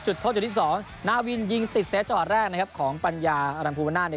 จุดโทษจุดที่สองนาวินยิงติดเสียจอดแรกของปัญญารัมภูมินาธรรม